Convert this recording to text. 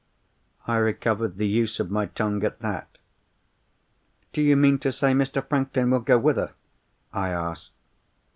"I recovered the use of my tongue at that. 'Do you mean to say Mr. Franklin will go with her?' I asked.